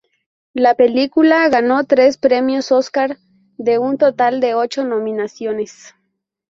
La película ganó tres premios Óscar de un total de ocho nominaciones.